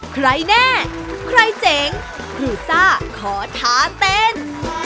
ใครแน่ใครเจ๋งคือซ่าขอท้าเต้น